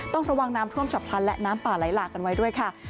ต้องระวังน้ำท่วมฉับพลันและน้ำป่าไหลหลากกันไว้ด้วยค่ะ